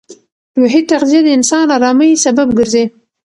روحي تغذیه د انسان ارامۍ سبب ګرځي.